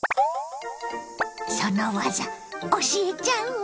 その技教えちゃうわ！